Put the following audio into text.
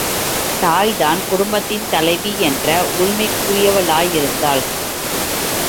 தாய்தான் குடும்பத்தின் தலைவி என்ற உரிமைக்குரியவளாயிருந்தாள்.